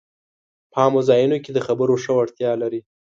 په عامه ځایونو کې د خبرو ښه وړتیا لري